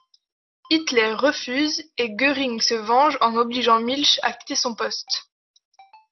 Hitler refuse et Göring se venge en obligeant Milch à quitter son poste.